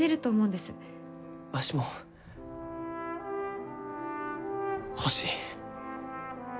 わしも欲しい。